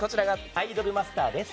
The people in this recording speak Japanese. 「アイドルマスター」です！